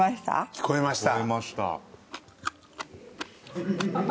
聞こえました。